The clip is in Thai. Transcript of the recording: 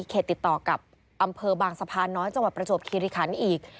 ติดต่อกับอำเภอบางสะพานน้อยจังหวัดประจวบคิริคันอีก